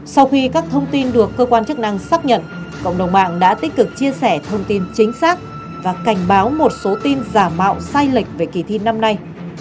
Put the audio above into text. sau khi các thông tin được cơ quan chức năng xác nhận cộng đồng mạng đã tích cực chia sẻ thông tin chính xác và cảnh báo một số tin giả mạo sai lệch về kỳ thi năm nay